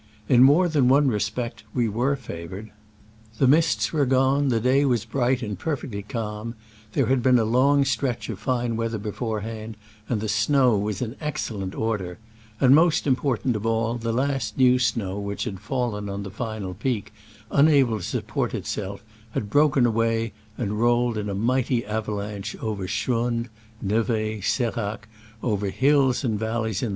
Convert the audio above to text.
In more than one respect we were favored. The mists were gone, the day w*as bright and per fectly calm, there had been a long stretch of fine weather beforehand, and the snow was in excellent order; and, most im portant of all, the last new snow which had fallen on the final peak, unable to support itself, had broken away and roll ed in a mighty avalanche over schrund, n6v6, s6racs, over hills and valleys in Digitized by Google S6 SCRAMBLES AMONGST THE ALPS IN i86o '69.